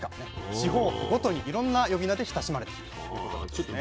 地方ごとにいろんな呼び名で親しまれてるということなんですね。